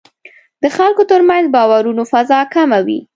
د خلکو ترمنځ باورونو فضا حاکمه وي.